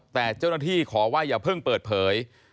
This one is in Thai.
แต่เจ้าหน้าที่ขอว่าอย่าเพิ่งเปิดเผย